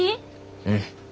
うん。